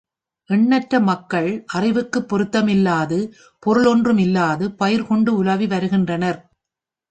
எண்ணற்ற மக்கள் அறிவுக்குப் பொருத்தமில்லாது, பொருள் ஒன்றும் இல்லாது, பயிர்கொண்டு உலவி வருகின்றனர்.